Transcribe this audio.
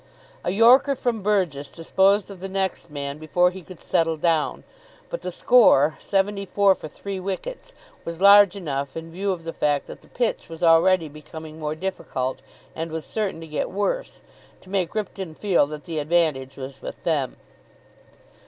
A yorker from Burgess disposed of the next man before he could settle down; but the score, seventy four for three wickets, was large enough in view of the fact that the pitch was already becoming more difficult, and was certain to get worse, to make Ripton feel that the advantage was with them.